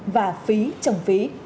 và phí trồng phí